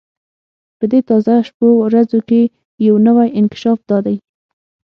په دې تازه شپو ورځو کې یو نوی انکشاف دا دی.